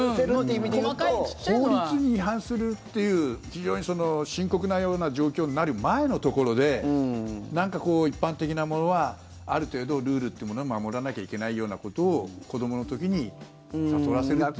法律に違反するという非常に深刻なような状況になる前のところで一般的なものはある程度ルールってものは守らなきゃいけないようなことを子どもの時に悟らせるという。